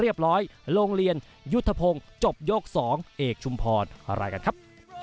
เรียบร้อยโรงเรียนยุทธพงศ์จบยกสองเอกชุมพลลายกันครับ